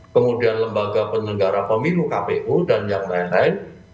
kemudian lembaga penyelenggara pemilu kpu dan yang lain lain